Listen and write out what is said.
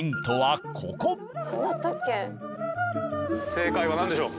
正解は何でしょう？